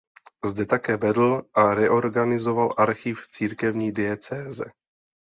Zde také vedl a reorganizoval archiv církevní diecéze.